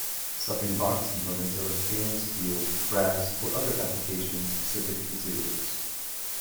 Stuffing box components are of stainless steel, brass or other application-specific materials.